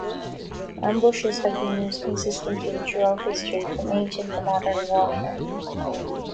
Ambushes have been used consistently throughout history, from ancient to modern warfare.